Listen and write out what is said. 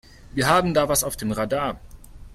Wir haben da was auf dem Radar.